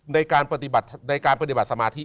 ในการปฏิบัติสมาธิ